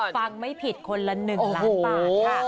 ฟังไม่ผิดคนละ๑ล้านบาทค่ะ